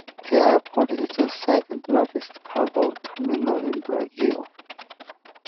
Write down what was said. The airport is the second largest cargo terminal in Brazil.